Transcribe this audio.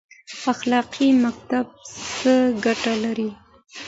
اخلاقي مکتب څه ګټه لري؟